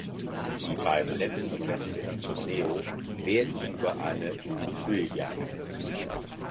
Die beiden letzten Plätze im Torneo werden über eine Liguilla ermittelt.